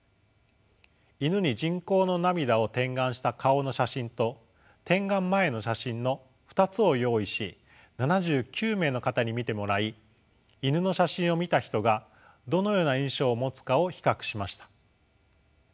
イヌに人工の涙を点眼した顔の写真と点眼前の写真の２つを用意し７９名の方に見てもらいイヌの写真を見たヒトがどのような印象を持つかを比較しました。